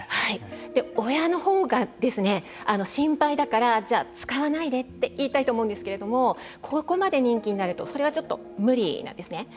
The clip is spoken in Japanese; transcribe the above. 親のほうが心配だから使わないでって言いたいと思うんですけれどもここまで人気になるとそれはちょっと無理なんですね。